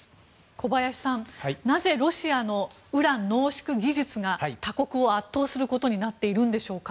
小林さん、なぜロシアのウラン濃縮技術が他国を圧倒することになっているんでしょうか。